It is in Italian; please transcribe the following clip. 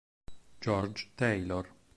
George Taylor